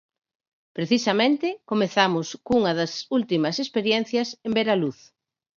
Precisamente, comezamos cunha das últimas experiencias en ver a luz.